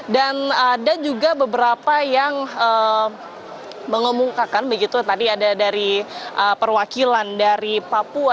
dan ada juga beberapa yang mengumumkakan begitu tadi ada dari perwakilan dari papua